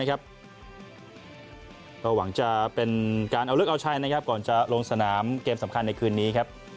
ก็หวังจะเป็นการเอาลึกเอาใช่ก่อนจะลงสนามเกมสำคัญในคืนนี้